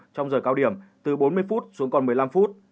trong giờ cao điểm từ bốn mươi phút xuống còn một mươi năm phút